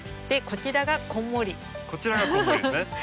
こちらがこんもりですね。